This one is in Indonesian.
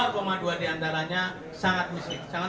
ketika angka tersebut naik sampai ke dua dua